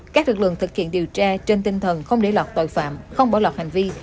các lực lượng thực hiện điều tra trên tinh thần không để lọt tội phạm không bỏ lọt hành vi